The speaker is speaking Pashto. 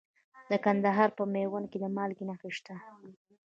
د کندهار په میوند کې د مالګې نښې شته.